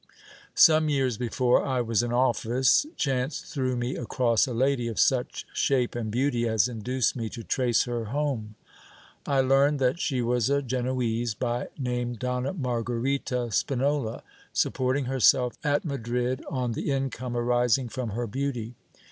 Some years before I was in office, chance threw me across a lady of such shape and beauty as induced me to trace her home. I learned that she was a Genoese, by name Donna Margarita Spinola, supporting herself at Madrid on the income arising from her beauty.